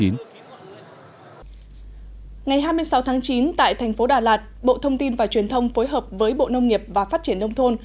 ngày hai mươi sáu tháng chín tại thành phố đà lạt bộ thông tin và truyền thông phối hợp với bộ nông nghiệp và phát triển nông thôn